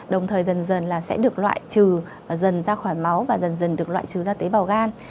đồng thời dần dần sẽ được loại trừ và dần dần ra khỏi máu và dần dần được loại trừ ra tế bào gan